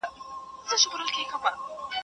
دغه یم هروخت د ځوانۍ خوی کړمه